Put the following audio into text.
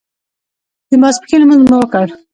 د ماسپښین لمونځ مو وکړ.